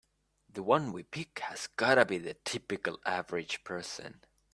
The one we pick has gotta be the typical average person.